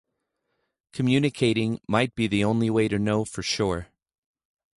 Communicating might be the only way to know for sure.